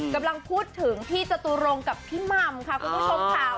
กำลังพูดถึงพี่จตุรงค์กับพี่หม่ำค่ะคุณผู้ชมค่ะ